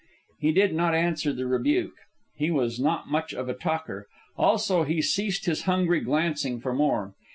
He did not answer the rebuke. He was not much of a talker. Also, he ceased his hungry glancing for more.